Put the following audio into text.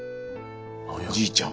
おじいちゃん。